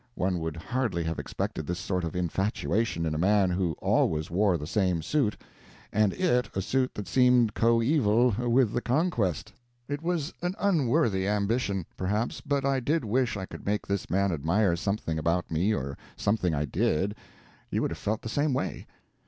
One would hardly have expected this sort of infatuation in a man who always wore the same suit, and it a suit that seemed coeval with the Conquest. It was an unworthy ambition, perhaps, but I did wish I could make this man admire something about me or something I did you would have felt the same way.